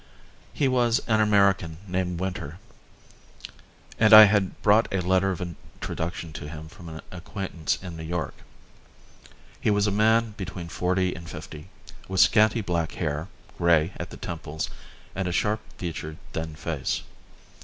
He was an American named Winter and I had brought a letter of introduction to him from an acquaintance in New York. He was a man between forty and fifty, with scanty black hair, grey at the temples, and a sharp featured, thin face.